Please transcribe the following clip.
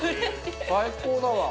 最高だわ。